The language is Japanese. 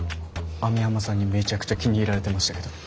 網浜さんにめちゃくちゃ気に入られてましたけど。